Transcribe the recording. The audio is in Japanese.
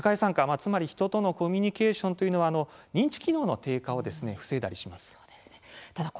つまり人とのコミュニケーションは認知機能の低下を防いだりします。